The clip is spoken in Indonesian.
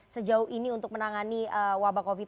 sejauh ini untuk menangani wabah covid sembilan belas